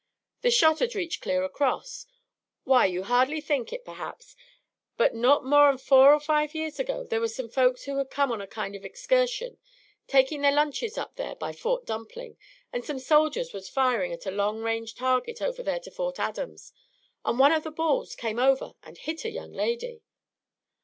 The shot'd reach clear across. Why, you hardly think it perhaps, but not more'n four or five years ago, there was some folks who had come on a kind of an excursion, taking their lunches up there by Fort Dumpling, and some soldiers was firing at a long range target over there to Fort Adams, and one of the balls came over and hit a young lady."